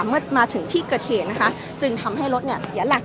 เมื่อมาถึงที่เกิดเหตุนะคะจึงทำให้รถเนี่ยเสียหลัก